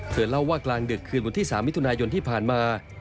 เล่าว่ากลางดึกคืนวันที่๓มิถุนายนที่ผ่านมา